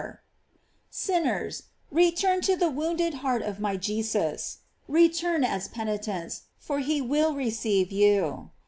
"* Sinners, return to the wounded heart of my Jesus; return as peni tents, for he will receive you.